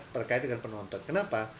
terkait dengan penonton kenapa